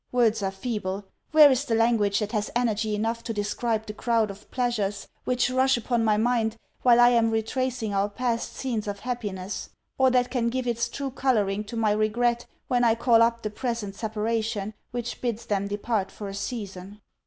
Words are feeble. Where is the language that has energy enough to describe the crowd of pleasures which rush upon my mind, while I am retracing our past scenes of happiness; or that can give its true colouring to my regret, when I call up the present separation, which bids them depart for a season?